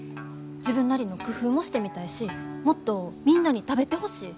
自分なりの工夫もしてみたいしもっとみんなに食べてほしい。